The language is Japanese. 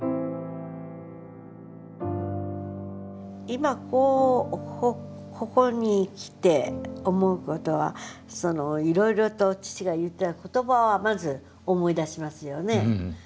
今ここにきて思う事はいろいろと父が言った言葉はまず思い出しますよね。